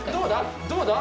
どうだ？